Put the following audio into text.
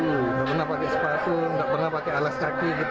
tidak pernah pakai sepatu tidak pernah pakai alas kaki gitu